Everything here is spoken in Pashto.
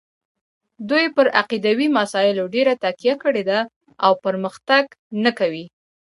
دوی پر عقیدوي مسایلو ډېره تکیه کړې ده او پرمختګ نه کوي.